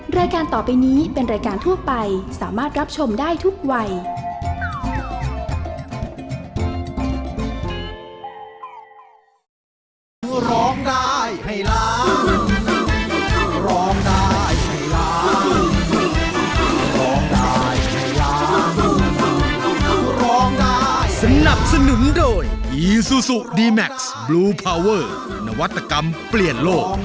รายการต่อไปนี้เป็นรายการทั่วไปสามารถรับชมได้ทุกวัย